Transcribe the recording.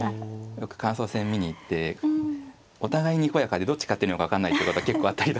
よく感想戦見に行ってお互いにこやかでどっち勝ってるのか分かんないっていうことが結構あったりとか。